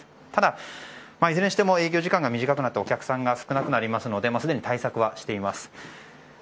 ただいずれも営業時間が短くなりお客さんが少なくなりますのですでに対策はしています。